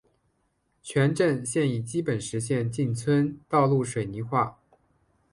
全镇现已基本实现进村道路水泥化。